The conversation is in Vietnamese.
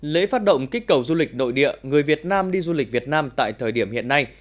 lễ phát động kích cầu du lịch nội địa người việt nam đi du lịch việt nam tại thời điểm hiện nay